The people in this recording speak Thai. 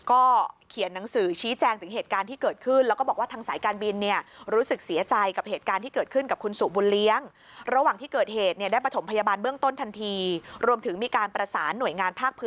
ก็เขียนหนังสือชี้แจงถึงเหตุการณ์ที่เกิดขึ้น